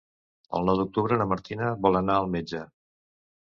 El nou d'octubre na Martina vol anar al metge.